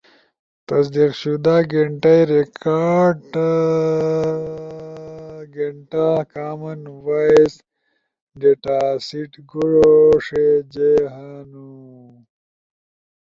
تصدیق شدہ گینٹئی، ریکارڈ گھنیٹا، کامن وائس ڈیتا سیٹ گوݜی جے ہنو؟